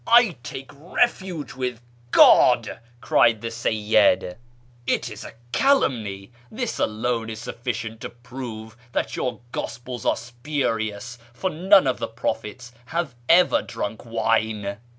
" I take refuge with God !" cried the Seyyid ;" it is a calumny : this alone is sufficient to prove that your gospels are s{)urious, for none of the prophets have ever drunk wine."